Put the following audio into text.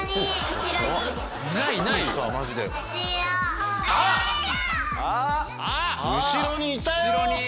後ろに。